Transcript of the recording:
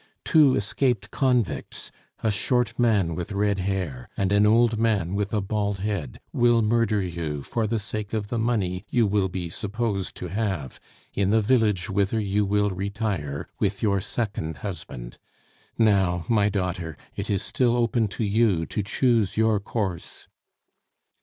Two escaped convicts, a short man with red hair and an old man with a bald head, will murder you for the sake of the money you will be supposed to have in the village whither you will retire with your second husband. Now, my daughter, it is still open to you to choose your course."